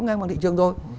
ngang bằng thị trường rồi